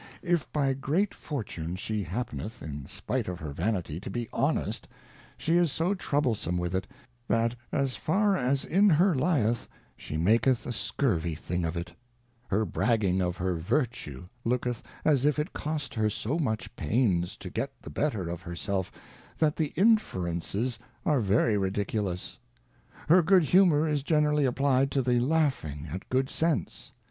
If by great Fortune she happeneth, in spite of her Vanity, to be honest, she is so troublesome with it, that as far as in her lieth, she maketh a scurvy thing of it. Hq; hngg'"g of her Vertue, looketh as if it cost her so much pains. to get the better of her Self, that_the Inferences are very ridiculous. Her good Humour is generally applied to the laughing at good Sense.